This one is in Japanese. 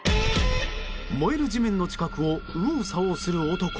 燃える地面の近くを右往左往する男。